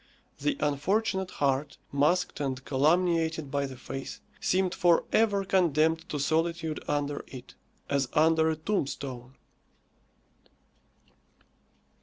The unfortunate heart, masked and calumniated by the face, seemed for ever condemned to solitude under it, as under a tombstone.